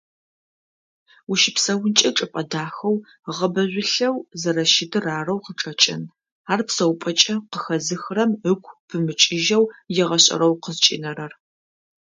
Ущыпсэункӏэ чӏыпӏэ дахэу, гъэбэжъулъэу зэрэщытыр арэу къычӏэкӏын, ар псэупӏэкӏэ къыхэзыхырэм ыгу пымыкӏыжьэу егъэшӏэрэу къызкӏинэрэр.